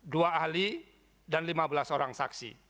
dua ahli dan lima belas orang saksi